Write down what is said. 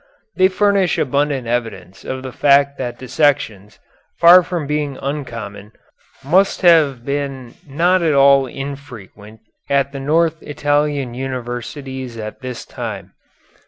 They furnish abundant evidence of the fact that dissections, far from being uncommon, must have been not at all infrequent at the north Italian universities at this time.